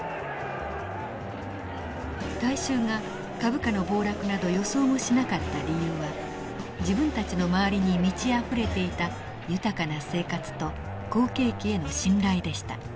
大衆が株価の暴落など予想もしなかった理由は自分たちの周りに満ちあふれていた豊かな生活と好景気への信頼でした。